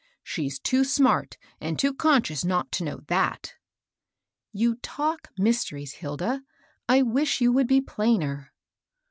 She's too smart and too conscious not to know ihat.^* "You talk mysteries, Hilda. I wish you would be plainer."